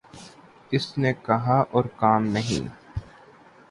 اس نے کہا اور کام نہیں